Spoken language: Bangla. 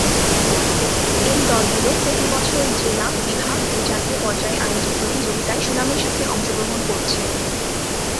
এই দল গুলো প্রতি বছর জেলা, বিভাগ এবং জাতীয় পর্যায়ে আয়োজিত প্রতিযোগীতায় সুনামের সাথে অংশগ্রহণ করছে।